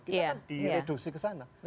kita akan direduksi ke sana